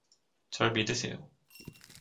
절 믿으세요.